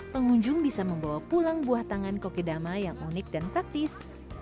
pengunjung bisa membawa pulang buah tangan kokedama yang unik dan praktis